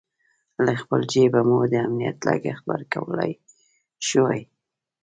له خپل جېبه مو د امنیت لګښت ورکولای شوای.